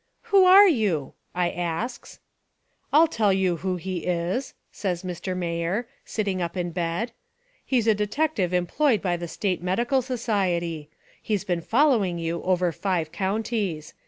" 'Who are you?' I asks. " 'I'll tell you who he is,' says Mr. Mayor, sitting up In bed. 'He's a detective employed by the State Medical Society. He's been fol lowing you over five counties.